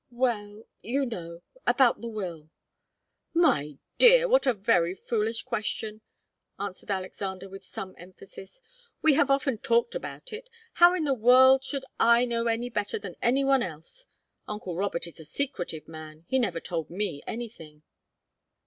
"Well you know about the will " "My dear, what a very foolish question!" answered Alexander, with some emphasis. "We have often talked about it. How in the world should I know any better than any one else? Uncle Robert is a secretive man. He never told me anything."